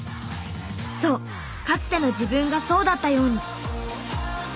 そうかつての自分がそうだったように。